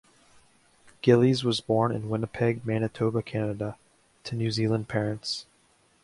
Gillies was born in Winnipeg, Manitoba, Canada to New Zealand parents.